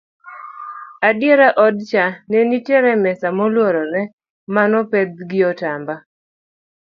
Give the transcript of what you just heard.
edier odcha nenitie mesa moluorore manopedh gi otamba